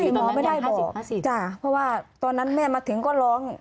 หมอไม่ได้บอกจ้ะเพราะว่าตอนนั้นแม่มาถึงก็ร้อง